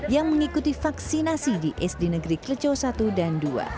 yang mengikuti vaksinasi di sd negeri kreco satu dan dua